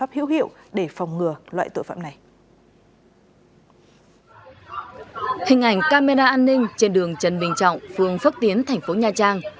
hình ảnh camera an ninh trên đường trần bình trọng phương phước tiến thành phố nha trang